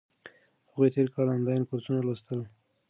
هغوی تیر کال انلاین کورسونه لوستل.